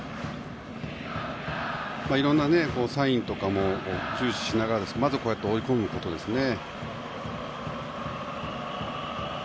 いろんなサインとかも注視しながらまずは追い込むことですね。